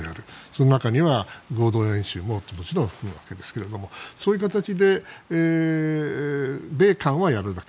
その中には合同演習ももちろん含むわけですがそういう形で米韓はやると。